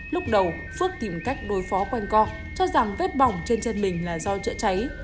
lúc đầu phước tìm cách đối phó quanh co cho rằng vết bỏng trên chân mình là do chữa cháy